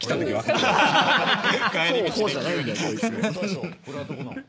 これはどこの？